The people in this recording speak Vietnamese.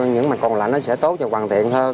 những mặt còn lại nó sẽ tốt và hoàn thiện hơn